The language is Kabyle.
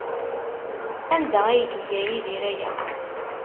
Anda ay iga Yidir aya?